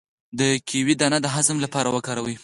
د کیوي دانه د هضم لپاره وکاروئ